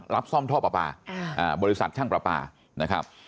รับซ่อมท่อปลาปลาบริษัทช่างประปานะครับ